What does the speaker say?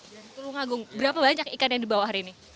dari tulung agung berapa banyak ikan yang dibawa hari ini